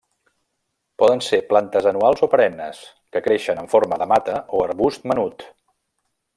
Poden ser plantes anuals o perennes que creixen en forma de mata o arbust menut.